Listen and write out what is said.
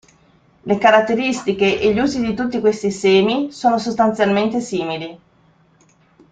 Le caratteristiche e gli usi di tutti questi semi sono sostanzialmente simili.